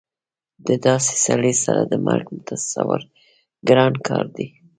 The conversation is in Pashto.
د داسې سړي سره د مرګ تصور ګران کار دی